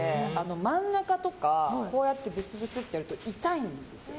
真ん中とかこうやってブスブスってやると痛いんですよ。